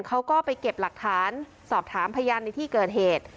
เขาก็ไปเก็บหลักฐานสอบถามพยานในที่เกิดเหตุ